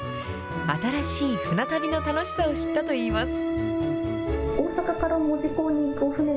新しい船旅の楽しさを知ったといいます。